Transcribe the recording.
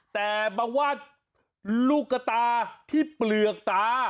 แต่มาวาดลูกกระตาที่เปลือกตา